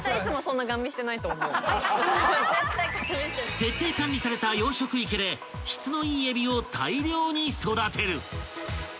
［徹底管理された養殖池で質のいいえびを大量に育てる］